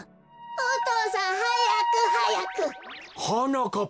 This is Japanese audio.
お父さんはやくはやく！はなかっ